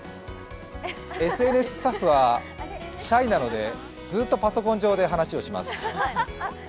ＳＮＳスタッフは、シャイなのでずっとパソコン上で会話をします。